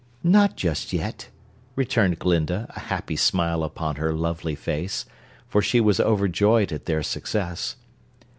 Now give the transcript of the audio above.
"Not just yet," returned Glinda, a happy smile upon her lovely face, for she was overjoyed at their success.